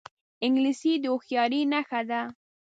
انګلیسي د هوښیارۍ نښه ده